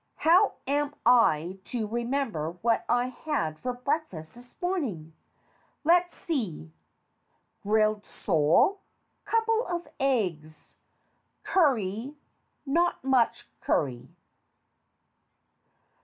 How am I to re member what I had for breakfast this morning? Let's see. Grilled sole. Couple of eggs. Curry not much curry.